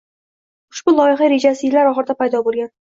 Ushbu loyiha rejasi yillar oxirida paydo bo‘lgan.